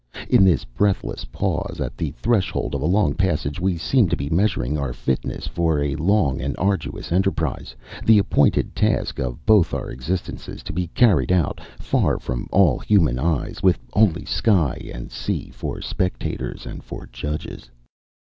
In this breathless pause at the threshold of a long passage we seemed to be measuring our fitness for a long and arduous enterprise, the appointed task of both our existences to be carried out, far from all human eyes, with only sky and sea for spectators and for judges.